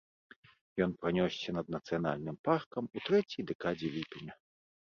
Ён пранёсся над нацыянальным паркам у трэцяй дэкадзе ліпеня.